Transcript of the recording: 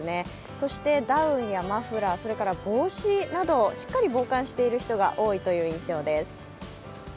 そしてダウンやマフラー、帽子などしっかり防寒している人が多い印象です。